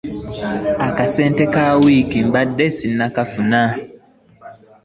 Akasente ka wiiki mbadde ssinnakafuna.